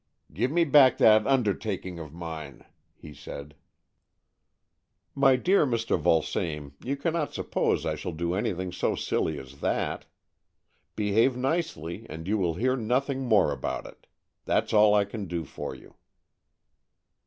" Give me back that undertaking of mine," he said. " My dear Mr. Vulsame, you cannot sup pose I shall do anything so silly as that. Behave nicely and you will hear nothing more about it. That's all I can do for you."